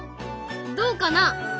どうかな？